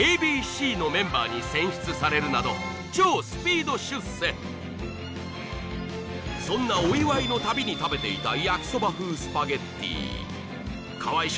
．Ｂ．Ｃ．のメンバーに選出されるなど超スピード出世そんなお祝いのたびに食べていた焼きそば風スパゲッティ河合